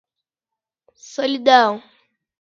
Solidão